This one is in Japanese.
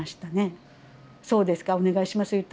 「そうですかお願いします」